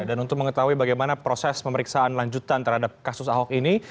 dan untuk mengetahui bagaimana proses pemeriksaan lanjutan terhadap kasus ahok ini